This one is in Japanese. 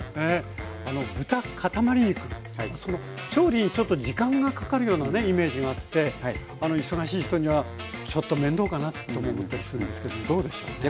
豚かたまり肉調理にちょっと時間がかかるようなイメージがあって忙しい人にはちょっと面倒かなとも思ったりするんですけどどうでしょうね。